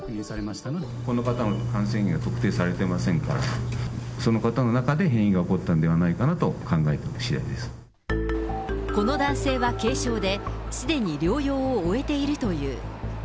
この方の感染源は特定されてませんから、その方の中で変異が起こったんではないかなと考えているしだいでこの男性は軽症で、すでに療養を終えているという。